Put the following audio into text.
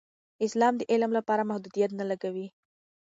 اسلام د علم لپاره محدودیت نه لګوي.